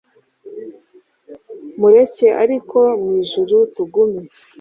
Mureke ariko mwijuru tugume